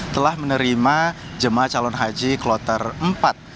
telah menerima jemaah calon haji kloter empat